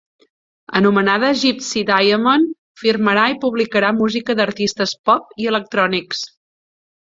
Anomenada Gypsey Diamond, firmarà i publicarà música d'artistes pop i electrònics.